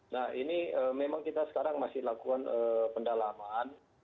nah ini memang kita sekarang masih lakukan pendalaman